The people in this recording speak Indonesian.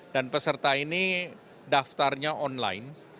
dan peserta ini daftarnya online